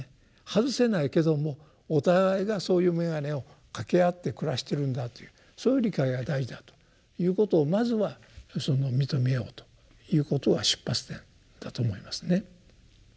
外せないけどもお互いがそういう眼鏡を掛け合って暮らしてるんだというそういう理解が大事だということをまずは認めようということが出発点だと思いますね。